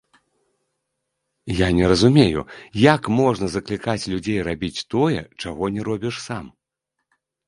Я не разумею, як можна заклікаць людзей рабіць тое, чаго не робіш сам.